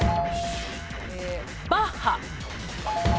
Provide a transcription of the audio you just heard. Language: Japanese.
バッハ。